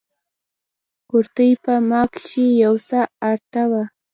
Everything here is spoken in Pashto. کورتۍ په ما کښې يو څه ارته وه.